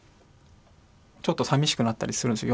ちょっとさみしくなったりするんですよ